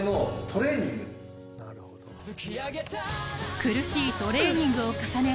苦しいトレーニングを重ね